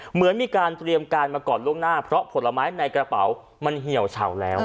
เหมือนมีการเตรียมการมาก่อนล่วงหน้าเพราะผลไม้ในกระเป๋ามันเหี่ยวเฉาแล้ว